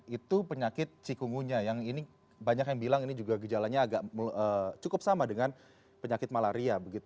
itu penyakit cikungunya yang banyak yang bilang gejalanya cukup sama dengan penyakit malaria